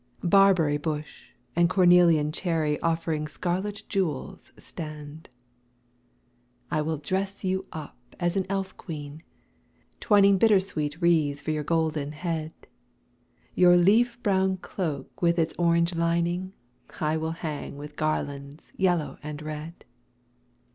Barberry bush and cornelian cherry Offering scarlet jewels stand. I will dress you up as an elf queen, twining Bittersweet wreaths for your golden head. Your leaf brown cloak with its orange lining I will hang with garlands yellow and red.